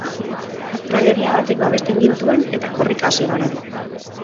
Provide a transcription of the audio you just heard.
Galeria batek babesten gintuen, eta korrika hasi gara.